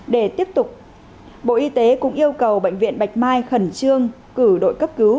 để tiếp tục bộ y tế cũng yêu cầu bệnh viện bạch mai khẩn trương cử đội cấp cứu